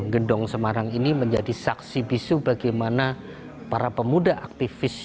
gendong semarang ini menjadi saksi bisu bagaimana para pemuda aktivis